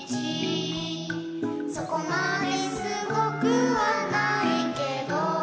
「そこまですごくはないけど」